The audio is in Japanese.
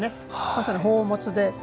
まさに宝物で。